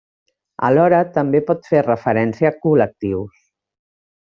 Alhora també pot fer referència a col·lectius.